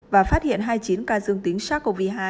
và phát hiện hai mươi chín ca dương tính sars cov hai